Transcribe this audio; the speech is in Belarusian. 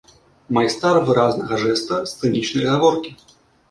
Майстар выразнага жэста, сцэнічнай гаворкі.